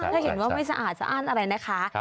ถ้าเห็นว่าไม่สะอาดสะอ้านอะไรนะคะ